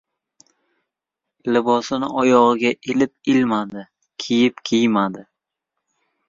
Libosini oyog‘iga ilib-ilmadi, kiyib-kiymadi.